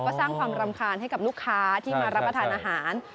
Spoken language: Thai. ก็สร้างความรำคาญให้กับลูกค้าที่มารับประทานอาหาร